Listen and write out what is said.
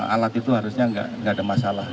alat itu harusnya nggak ada masalah